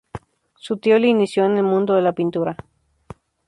Su tío le inició en el mundo de la pintura.